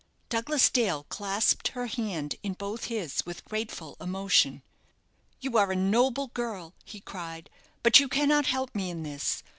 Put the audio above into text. Douglas Dale clasped her hand in both his with grateful emotion. "You are a noble girl," he cried; "but you cannot help me in this.